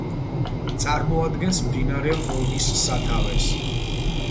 წარმოადგენს მდინარე რონის სათავეს.